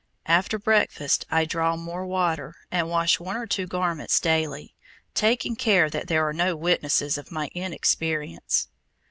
After breakfast I draw more water, and wash one or two garments daily, taking care that there are no witnesses of my inexperience.